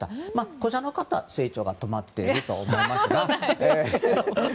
こちらの方は成長が止まっていると思いますが。